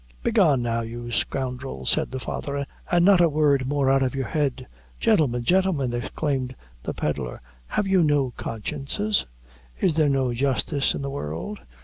"Begone, now, you scoundrel," said the father, "and not a word more out of your head." "Gintlemen! gintlemen!" exclaimed the pedlar, "have you no consciences? Is there no justice in the world?